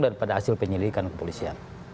daripada hasil penyelidikan kepolisian